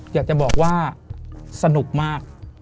อยากจะบอกว่าสนุกมาก